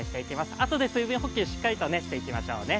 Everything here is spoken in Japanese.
あとで水分補給、しっかりとしていきましょうね。